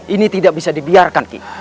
ini tidak bisa dibiarkan ki